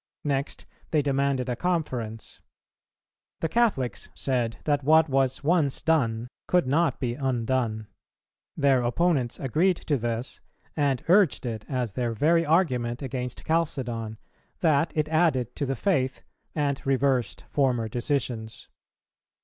Next they demanded a conference; the Catholics said that what was once done could not be undone; their opponents agreed to this and urged it, as their very argument against Chalcedon, that it added to the faith, and reversed former decisions.